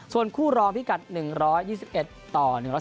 ส่วนคู่รองพิกัด๑๒๑ต่อ๑๑